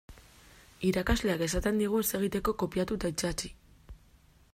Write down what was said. Irakasleak esaten digu ez egiteko kopiatu eta itsatsi.